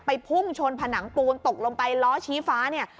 พุ่งชนผนังปูนตกลงไปล้อชี้ฟ้าเนี่ย